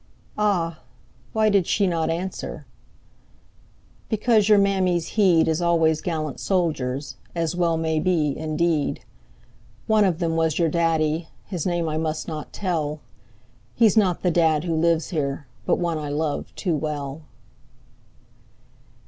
Ah—why did she not answer:— "Because your mammy's heed Is always gallant soldiers, As well may be, indeed. One of them was your daddy, His name I must not tell; He's not the dad who lives here, But one I love too well."